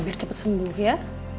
biar cepat sembuh ya